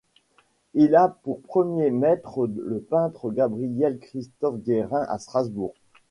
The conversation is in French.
Il a pour premier maître le peintre Gabriel-Christophe Guérin à Strasbourg.